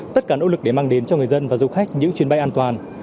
tất cả nỗ lực để mang đến cho người dân và du khách những chuyến bay an toàn